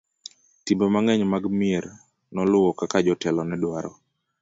timbe mang'eny mag mier noluwo kaka jotelo nedwaro